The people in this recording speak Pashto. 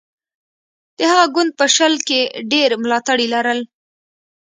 د هغه ګوند په شل کې ډېر ملاتړي لرل.